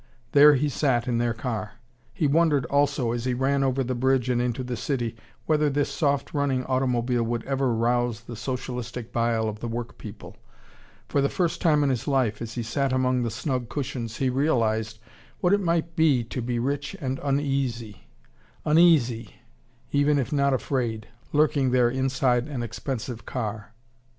There he sat in their car. He wondered, also, as he ran over the bridge and into the city, whether this soft running automobile would ever rouse the socialistic bile of the work people. For the first time in his life, as he sat among the snug cushions, he realised what it might be to be rich and uneasy: uneasy, even if not afraid, lurking there inside an expensive car.